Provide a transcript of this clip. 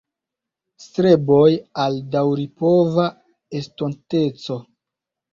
Streboj al daŭripova estonteco.